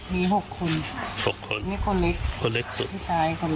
มี๖คนคนเล็กสุด